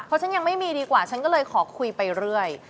เพราะฉันยังไม่มีดีกว่าฉันก็เลยขอคุยไปเรื่อย